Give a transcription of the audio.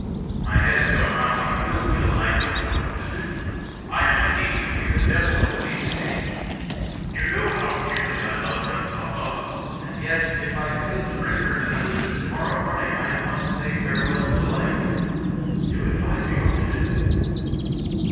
My head is going round like a mill wheel, and I don't know what to do. I am indeed between the Devil and the Deep Sea. You know how dearly I love Renzolla, and yet, if I fail to bring her to the lizard to morrow morning, I must say farewell to life. Do advise me what to do.